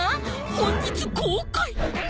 本日公開